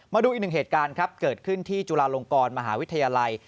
มาดูอีกหนึ่งเหตุการณ์ครับเกิดขึ้นที่จุฬาลงกรมหาวิทยาลัย